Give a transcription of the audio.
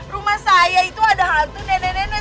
rumah saya itu ada hantu nenek nenek